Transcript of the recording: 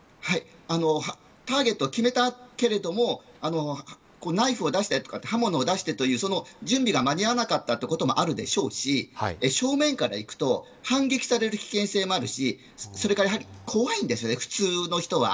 ターゲットを決めたけれどもナイフを出したり刃物を出してという準備が間に合わなかったこともあるでしょうし正面から行くと反撃される危険性もあるしそれから、怖いです普通の人は。